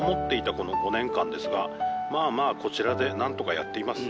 この５年間ですが、まあまあこちらで、なんとかやっています。